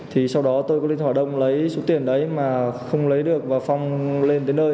thì sau đó tôi có điện thoại đông lấy số tiền đấy mà không lấy được và phong lên tới nơi